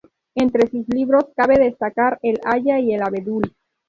Entre sus libros cabe destacar: "El haya y el abedul.